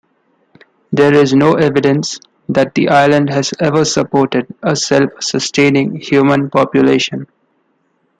There is no evidence that the island has ever supported a self-sustaining human population.